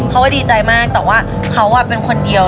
เขาก็ดีใจมากแต่ว่าเขาเป็นคนเดียว